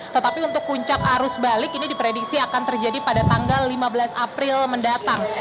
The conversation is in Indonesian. tetapi untuk puncak arus balik ini diprediksi akan terjadi pada tanggal lima belas april mendatang